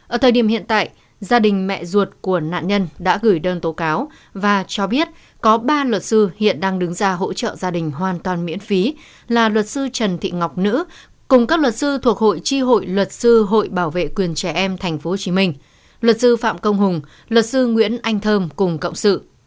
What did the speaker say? ở thời điểm hiện tại gia đình mẹ ruột của nạn nhân đã gửi đơn tố cáo và cho biết có ba luật sư hiện đang đứng ra hỗ trợ gia đình hoàn toàn miễn phí là luật sư trần thị ngọc nữ cùng các luật sư thuộc hội tri hội luật sư hội bảo vệ quyền trẻ em tp hcm luật sư phạm công hùng luật sư nguyễn anh thơm cùng cộng sự